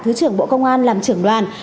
thứ trưởng bộ công an làm trưởng đoàn